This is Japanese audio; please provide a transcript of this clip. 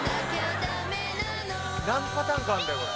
何パターンかあるんだよこれ。